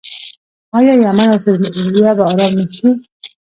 آیا یمن او سوریه به ارام نشي؟